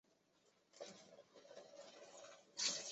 满九十岁时自号长寿翁。